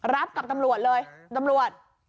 รับกับตำรวจเลยตำรวจ